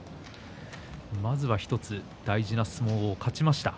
まずは１つ大事な相撲を勝ちました。